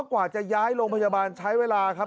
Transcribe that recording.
กว่าจะย้ายโรงพยาบาลใช้เวลาครับ